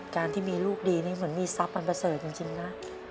การที่มีลูกดีนี่เหมือนมีทรัพย์มันประเสริฐจริงนะ